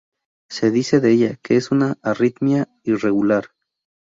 Se dice de ella que es una arritmia irregular.